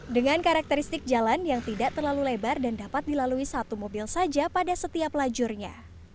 dengan karakteristik jalan yang tidak terlalu lebar dan dapat dilalui satu mobil saja pada setiap lajurnya